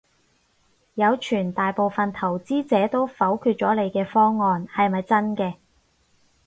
有傳大部份投資者都否決咗你嘅方案，係咪真嘅？